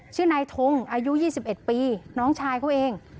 ชื่อนายทงอายุ๒๑ปีน้องชายเขาเอง